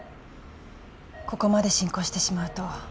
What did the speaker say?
ここまで進行してしまうと